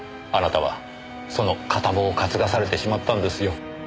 あなたはその片棒を担がされてしまったんですよ。